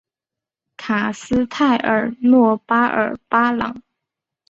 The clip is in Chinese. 卡斯泰尔诺巴尔巴朗。